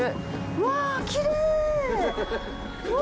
うわ、きれい！